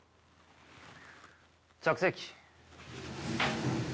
着席。